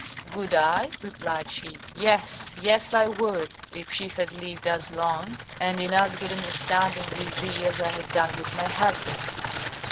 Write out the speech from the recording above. "Would I?" replied she, "yes, yes, I would: if she had lived as long, and in as good understanding with thee as I have done, with my husband."